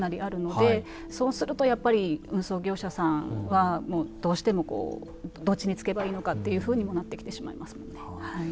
そうするとやっぱり運送業者さんはどうしてもこうどっちにつけばいいのかっていうふうにもなってきてしまいますもんね。